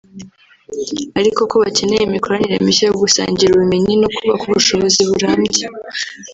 ariko ko bakeneye imikoranire mishya yo gusangira ubumenyi no kubaka ubushobozi burambye